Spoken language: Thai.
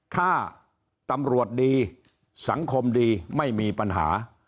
ถ้าตำรวจดีสังคมดีไม่มีปัญหา